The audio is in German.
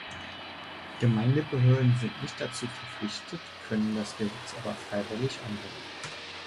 Gemeindebehörden sind nicht dazu verpflichtet, können das Gesetz aber freiwillig anwenden.